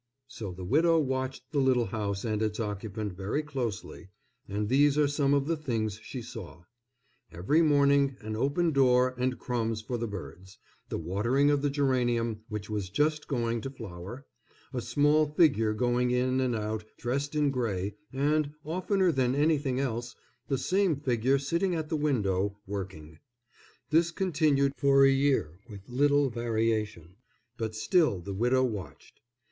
So the widow watched the little house and its occupant very closely, and these are some of the things she saw: Every morning an open door and crumbs for the birds, the watering of the geranium, which was just going to flower, a small figure going in and out, dressed in gray, and, oftener than anything else, the same figure sitting at the window, working. This continued for a year with little variation, but still the widow watched.